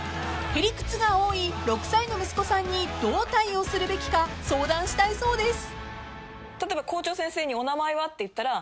［へりくつが多い６歳の息子さんにどう対応するべきか相談したいそうです］